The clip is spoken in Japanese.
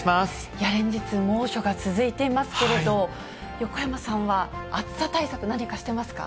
連日、猛暑が続いていますけれど、横山さんは暑さ対策、何かしてますか？